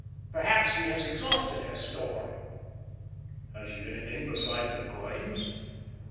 Perhaps she has exhausted her store." "Had she anything besides the coins?"